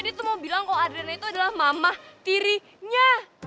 dia tuh mau bilang kalau adriana itu adalah mama tirinya